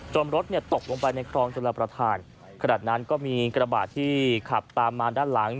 รถตกลงไปในคลองจุลประธานขณะนั้นก็มีกระบะที่ขับตามมาด้านหลัง